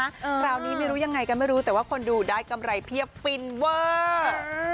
คราวนี้ไม่รู้ยังไงก็ไม่รู้แต่ว่าคนดูได้กำไรเพียบฟินเวอร์